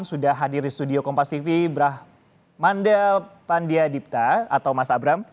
sudah hadir di studio kompastv brahmandel pandya dipta atau mas abram